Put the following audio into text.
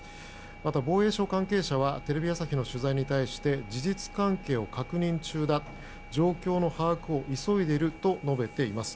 また、防衛省関係者はテレビ朝日の取材に対して事実関係を確認中だ状況の把握を急いでいると述べています。